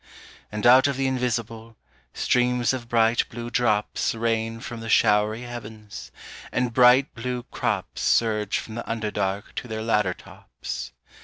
And out of the invisible, streams of bright blue drops Rain from the showery heavens, and bright blue crops Surge from the under dark to their ladder tops.